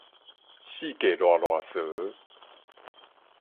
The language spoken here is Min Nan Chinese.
四界捋捋趖